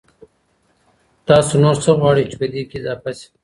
تاسو نور څه غواړئ چي پدې کي اضافه سي؟